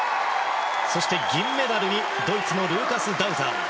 そして銀メダルにドイツのルーカス・ダウザー。